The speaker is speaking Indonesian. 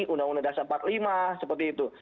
undang undang dasar part v seperti itu